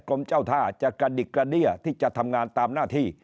กรมเจ้าท่าจะกระดิกกระเดี้ยที่จะทำงานตามหน้าที่